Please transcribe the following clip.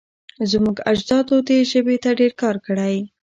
زموږ اجدادو دې ژبې ته ډېر کار کړی.